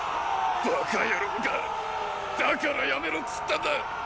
バカヤロォがだからやめろっつったんだ！